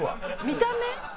「見た目？」